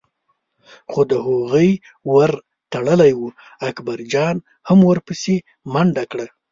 خو د هغوی ور تړلی و، اکبرجان هم ور پسې منډه کړه.